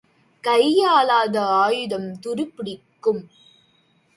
கையாளாத ஆயுதம் துருப்பிடிக்கும்.